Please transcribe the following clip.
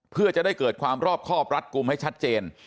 เพื่อจะได้เกิดความรอบครอบรัดกลุ่มให้ชัดเจน